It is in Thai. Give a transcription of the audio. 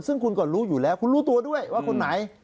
ซึ่งคุณก็รู้อยู่แล้วคุณรู้ตัวด้วยว่าคนไหน